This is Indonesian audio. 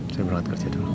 saya berangkat kerja dulu